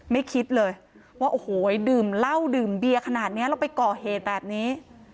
คิดเลยว่าโอ้โหดื่มเหล้าดื่มเบียขนาดนี้แล้วไปก่อเหตุแบบนี้